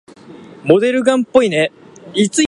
モデルガンっぽいね。